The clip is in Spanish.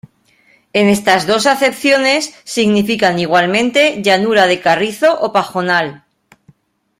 En estas dos acepciones significan igualmente llanura de carrizo o pajonal.